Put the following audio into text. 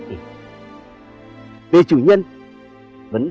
về chủ nhân chúng tôi cho rằng sau công nguyên một vài ba thế kỷ